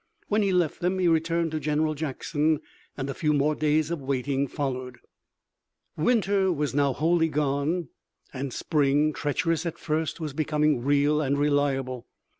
When he left them he returned to General Jackson and a few more days of waiting followed. Winter was now wholly gone and spring, treacherous at first, was becoming real and reliable.